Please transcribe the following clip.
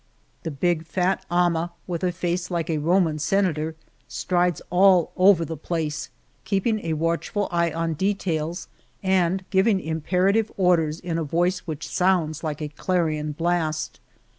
The big, fat ama, with a face like a Roman senator, strides all over the place, keeping a watchful eye on details, and giving imperative orders in a voice which sounds like a clarion blast.